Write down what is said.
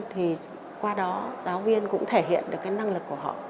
thì qua đó giáo viên cũng thể hiện được cái năng lực của họ